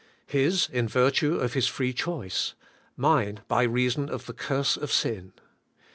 His in virtue of His free choice; mine by reason of the curse of sin.